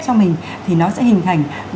cho mình thì nó sẽ hình thành